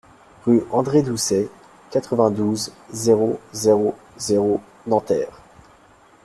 Rue André Doucet, quatre-vingt-douze, zéro zéro zéro Nanterre